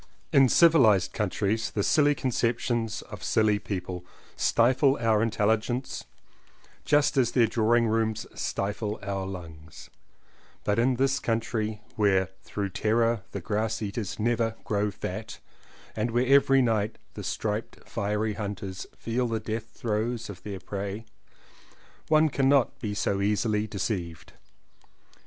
In civilized countries the silly concep tions of silly people stifle our intelligence just as their drawing rooms stifle our lungs, but in this country where through terror the grass eaters never grow fat and where every night the striped fiery hunters feel the death throes of their prey one cannot be so easily deceived.